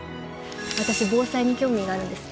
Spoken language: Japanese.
私防災に興味があるんです。